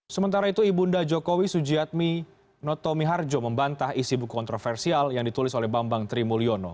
sementara itu ibunda jokowi sujiatmi notomi harjo membantah isi buku kontroversial yang ditulis oleh bambang trimulyono